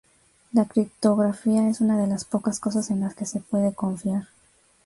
la criptografía es una de las pocas cosas en las que se puede confiar